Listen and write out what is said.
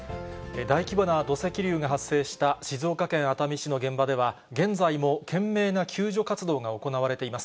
大規模な土石流が発生した静岡県熱海市の現場では、現在も懸命な救助活動が行われています。